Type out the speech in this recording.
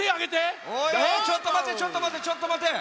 おいおいちょっとまてちょっとまてちょっとまて！